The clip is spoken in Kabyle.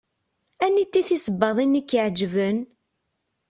Aniti tisebbaḍin i ak-iɛeǧben?